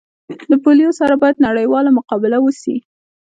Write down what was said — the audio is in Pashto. د پولیو سره باید نړیواله مقابله وسي